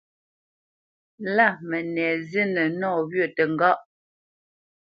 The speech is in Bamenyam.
Lâ mənɛ zínə nɔwyə̂ təŋgá.